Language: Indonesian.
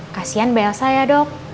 kasian bayi elsa ya dok